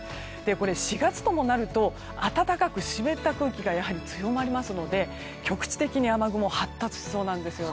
これ、４月ともなると暖かく湿った空気がやはり強まりますので局地的に雨雲が発達しそうなんですよね。